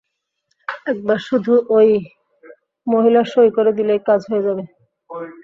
একবার শুধু ওই মহিলা সই করে দিলেই, কাজ হয়ে যাবে।